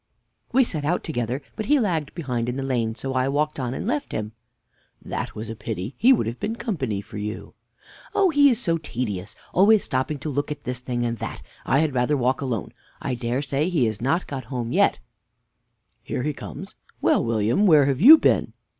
R. We set out together, but he lagged behind in the lane, so I walked on and left him. Mr. A. That was a pity. He would have been company for you. R. Oh, he is so tedious, always stopping to look at this thing and that! I had rather walk alone. I dare say he is not got home yet. Mr. A. Here he comes. Well, William, where have you been?